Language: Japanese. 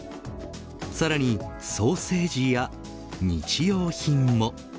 さらにソーセージや日用品も。